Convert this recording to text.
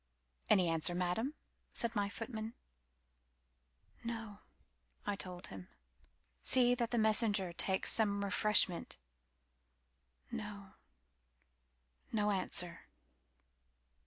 "Any answer, Madam," said my footman."No," I told him."See that the messenger takes some refreshment.No, no answer."